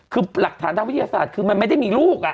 คือหลักฐานทางวิทยาศาสตร์คือมันไม่ได้มีลูก